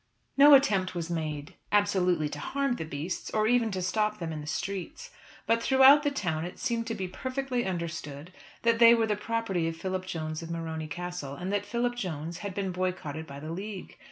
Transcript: No attempt was made absolutely to harm the beasts, or even to stop them in the streets. But throughout the town it seemed to be perfectly understood that they were the property of Philip Jones of Morony Castle, and that Philip Jones had been boycotted by the League.